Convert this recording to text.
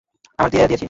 আমরা দিয়ে দিয়েছি।